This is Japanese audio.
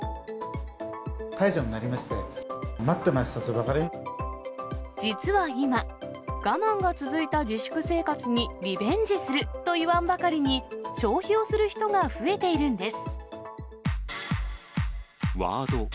解除になりまして、待ってま実は今、我慢が続いた自粛生活にリベンジするといわんばかりに、消費をする人が増えているんです。